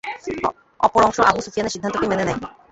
অপর অংশ আবু সুফিয়ানের সিদ্ধান্তকেই মেনে নেয়।